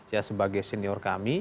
ya sebagai senior kami